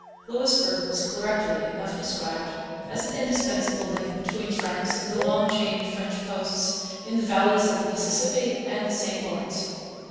Louisbourg was correctly enough described as an indispensable link between France and the long chain of French posts in the valleys of the Mississippi and the St Lawrence.